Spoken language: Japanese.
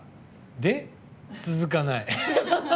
で続かない。